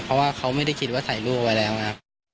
เพราะว่าเขาไม่ได้คิดว่าใส่รูปไว้แล้วอ่ะ